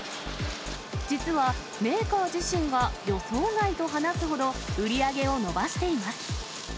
実はメーカー自身が予想外と話すほど、売り上げを伸ばしています。